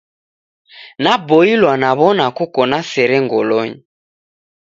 Naboilwa naw'ona koko na sere ngolonyi